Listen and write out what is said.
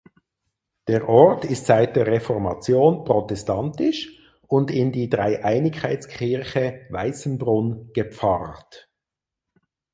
Der Ort ist seit der Reformation protestantisch und in die Dreieinigkeitskirche (Weißenbrunn) gepfarrt.